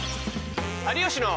「有吉の」。